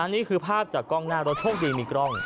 นี่คือภาพจากกล้องหน้ารถโชคดีมีกล้อง